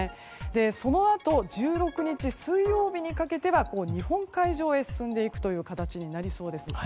そのあと１６日水曜日にかけては日本海上へ進んでいく形になりそうです。